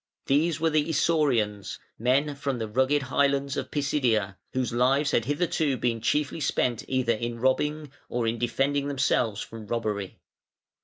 These were the Isaurians, men from the rugged highlands of Pisidia, whose lives had hitherto been chiefly spent either in robbing or in defending themselves from robbery.